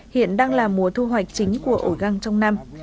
hiện đang là mùa thu hoạch chính của ổ găng trong năm